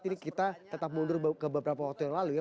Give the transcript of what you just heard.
ini kita tetap mundur ke beberapa waktu yang lalu ya